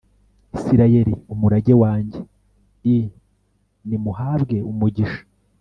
Isirayeli umurage wanjye l nimuhabwe umugisha